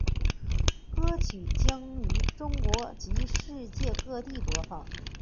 歌曲将于中国及世界各地播放。